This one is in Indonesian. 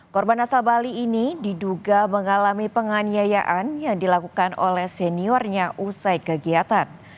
korban asal bali ini diduga mengalami penganiayaan yang dilakukan oleh seniornya usai kegiatan